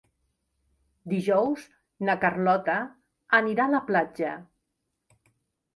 Dijous na Carlota anirà a la platja.